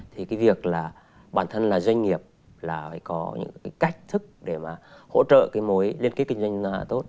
thì cái việc là bản thân là doanh nghiệp là phải có những cái cách thức để mà hỗ trợ cái mối liên kết kinh doanh tốt